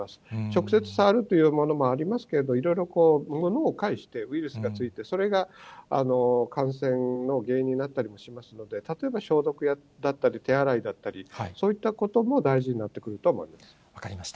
直接触るというものもありますけども、いろいろ物を介して、ウイルスがついて、それが感染の原因になったりもしますので、例えば消毒だったり、手洗いだったり、そういったことも大事になってくると思います。